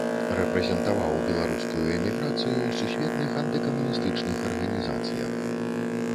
Рэпрэзентаваў беларускую эміграцыю ў сусветных антыкамуністычных арганізацыях.